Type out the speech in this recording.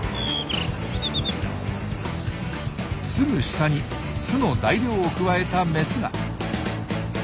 すぐ下に巣の材料をくわえたメスが。